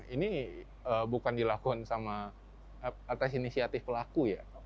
ini bukan dilakukan sama atas inisiatif pelaku ya